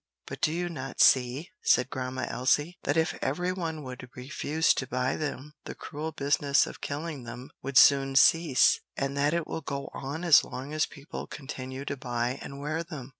"But do you not see," said Grandma Elsie, "that if every one would refuse to buy them, the cruel business of killing them would soon cease? and that it will go on as long as people continue to buy and wear them?"